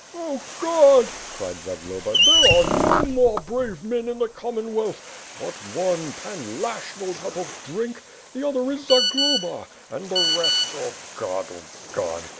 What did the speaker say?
"Oh God," cried Zagloba, "there are no more brave men in the Commonwealth; but one. Pan Lashch knows how to drink; the other is Zagloba — and the rest, 0 God! 0 God!"